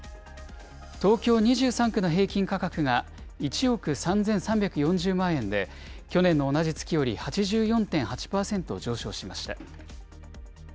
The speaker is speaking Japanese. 東京２３区の平均価格が１億３３４０万円で、去年の同じ月より８４．８％上昇しました。